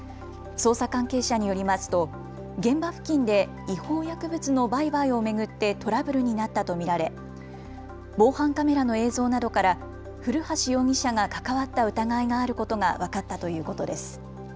捜査関係者によりますと現場付近で違法薬物の売買を巡ってトラブルになったと見られ防犯カメラの映像などから古橋容疑者が関わった疑いがあることが分かったということです。